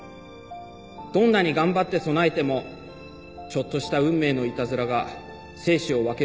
どんなに頑張って備えてもちょっとした運命のいたずらが生死を分ける事もある。